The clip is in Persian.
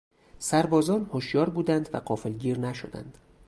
سربازان هشیار بودند و غافلگیر نشدند.